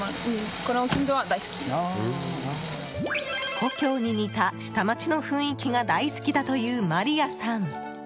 故郷に似た下町の雰囲気が大好きだというマリアさん。